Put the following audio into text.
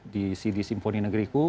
di cd simponi negriku